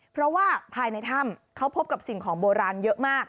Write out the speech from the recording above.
เพราะว่าภายในถ้ำเขาพบกับสิ่งของโบราณเยอะมาก